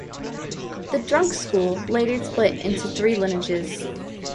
The Druk school later split into three lineages.